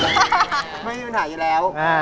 ไม่มีปัญหาอยู่แล้ว